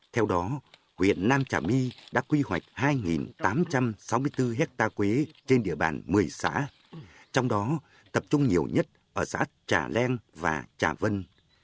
theo đó huyện nam trà my đã quy hoạch hai tám trăm sáu mươi bốn hectare quế trên địa bàn một mươi xã trong đó tập trung nhiều nhất ở xã trà leng và trà vân